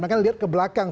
maka lihat ke belakang